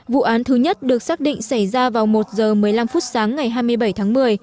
vụ án thứ nhất được xác định xảy ra vào một h một mươi năm phút sáng ngày hai mươi bảy tháng một mươi